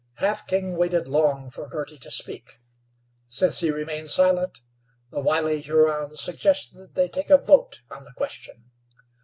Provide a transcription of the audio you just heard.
Half King waited long for Girty to speak; since he remained silent, the wily Huron suggested they take a vote on the question.